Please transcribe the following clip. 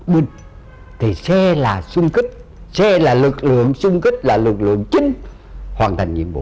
binh thì xe là sung kích xe là lực lượng xung kích là lực lượng chính hoàn thành nhiệm vụ